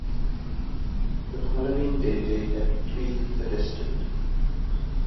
The following day, they had Tweed arrested.